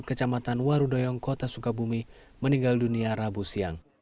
kecamatan warudoyong kota sukabumi meninggal dunia rabu siang